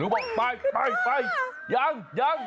ลุงบอกไปยัง